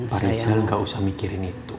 pak rijal gak usah mikir